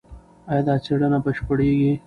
ایا دا څېړنه بشپړېږي؟